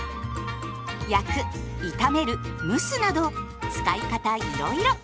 焼く炒める蒸すなど使い方いろいろ。